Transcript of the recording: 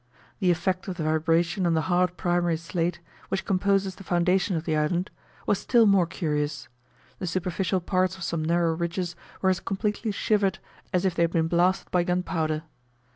The effect of the vibration on the hard primary slate, which composes the foundation of the island, was still more curious: the superficial parts of some narrow ridges were as completely shivered as if they had been blasted by gunpowder.